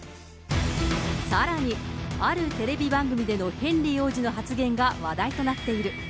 さらに、あるテレビ番組でのヘンリー王子の発言が話題となっている。